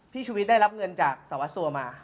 พี่ชูวิทย์ได้รับเงินจากสวัสดิ์สัวมา